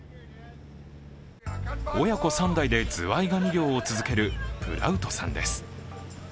親子３代でズワイガニ漁を続けるプラウトさんです。